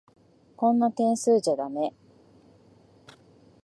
こんな点数じゃだめ。